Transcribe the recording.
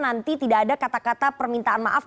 nanti tidak ada kata kata permintaan maaf